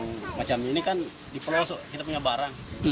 dan macam ini kan diperosok kita punya barang